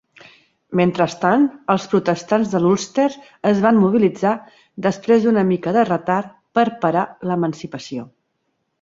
Mentrestant, els protestants de l'Ulster es van mobilitzar, després d'una mica de retard, per parar l'emancipació.